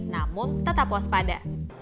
namun tetap waspada